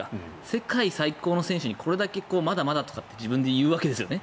世界最高の選手にこれだけまだまだとかって自分で言うわけですよね。